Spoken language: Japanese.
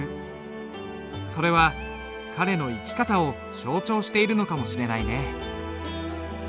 それは彼の生き方を象徴しているのかもしれないね。